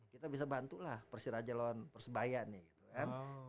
kita bisa bantulah persiraja lawan persebaya nih